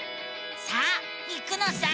さあ行くのさ！